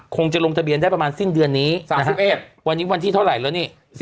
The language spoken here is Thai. คงจะลงทะเบียนได้ประมาณสิ้นเดือนนี้๓๑วันนี้วันที่เท่าไหร่แล้วนี่